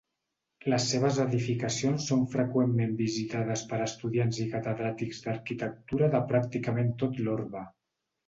Les seves edificacions són freqüentment visitades per estudiants i catedràtics d'arquitectura de pràcticament tot l'orbe.